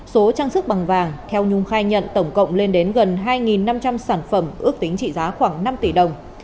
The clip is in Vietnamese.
số trang sức bằng vàng theo nhung khai nhận tổng cộng lên đến gần hai năm trăm linh sản phẩm ước tính trị giá khoảng năm tỷ đồng